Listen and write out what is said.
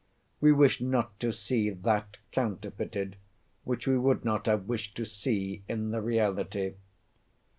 We wish not to see that counterfeited, which we would not have wished to see in the reality.